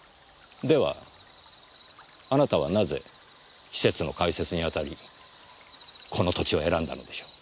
ではあなたはなぜ施設の開設にあたりこの土地を選んだのでしょう。